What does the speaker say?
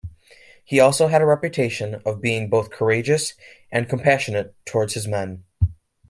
He also had a reputation of being both courageous and compassionate towards his men.